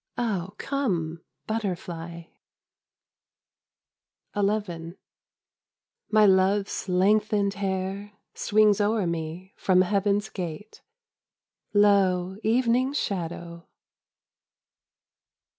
Oh, come, butterfly ! XI My Love's lengthened hair Swings o'er me from Heaven's gate : I^, Evening's shadow